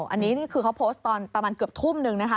อันนี้นี่คือเขาโพสต์ตอนประมาณเกือบทุ่มนึงนะคะ